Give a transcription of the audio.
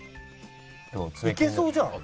いけそうじゃん。